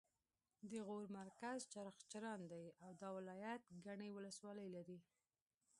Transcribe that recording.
د غور مرکز چغچران دی او دا ولایت ګڼې ولسوالۍ لري